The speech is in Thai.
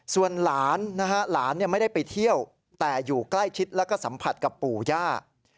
ส่วนหลานนะฮะหลานไม่ได้ไปเที่ยวแต่อยู่ใกล้ชิดแล้วก็สัมผัสกับปู่ย่า